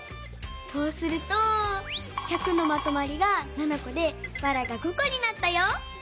そうすると「１００」のまとまりが７こでばらが５こになったよ！